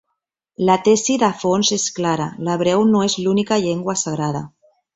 La tesi de fons és clara: l'hebreu no és l'única llengua sagrada.